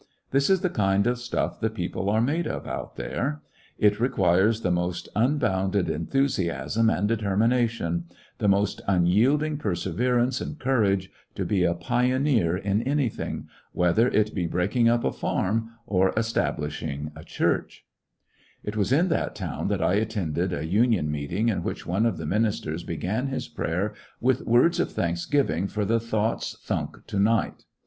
This is the kind of stuff the peo ple are made of out there. It requires the most unbounded enthusiasm and determina tion, the most unyielding perseverance and courage, to be a pioneer in anything, whether it be breaking np a farm or establishing a church. 133 Recollections of a An Irish bull It was in tliat town that I attended a union meeting in which one of the ministers began his prayer with words of thanksgiving for the "thoughts thunk to night."